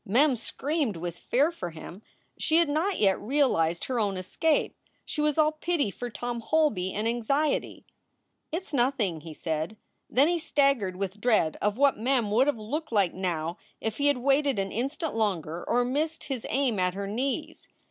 Mem screamed with fear for him. She had not yet realized her own escape. She was all pity for Tom Holby, and anxiety. "It s nothing," he said. Then he staggered with dread of what Mem would have looked like now if he had waited an instant longer or missed his aim at her knees.